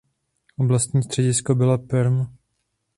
Oblastní středisko byla Perm.